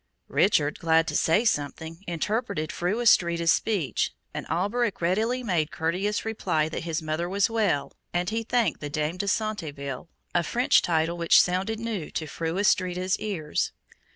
Richard, glad to say something, interpreted Fru Astrida's speech, and Alberic readily made courteous reply that his mother was well, and he thanked the Dame de Centeville, a French title which sounded new to Fru Astrida's ears.